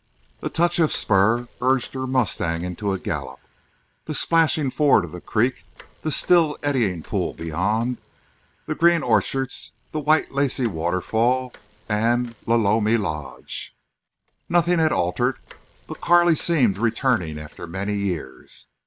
A touch of spur urged her mustang into a gallop. The splashing ford of the creek—the still, eddying pool beyond—the green orchards—the white lacy waterfall—and Lolomi Lodge! Nothing had altered. But Carley seemed returning after many years.